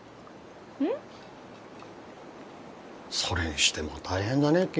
それにしても大変だね